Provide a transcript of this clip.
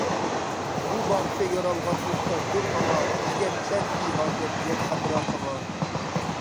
بۇ بارچە يارالغان موھتاجدۇر ئاڭا، ئىگەم سەن بى ھاجەت، يوق ھەمرا ساڭا.